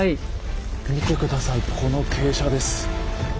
見て下さいこの傾斜です。